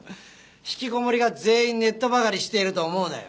ひきこもりが全員ネットばかりしていると思うなよ。